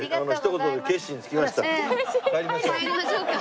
帰りましょうか。